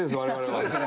そうですね。